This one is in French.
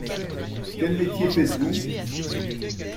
Quel métier faites-vous ?